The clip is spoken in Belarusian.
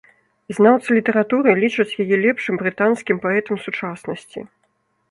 Знаўцы літаратуры лічаць яе лепшым брытанскім паэтам сучаснасці.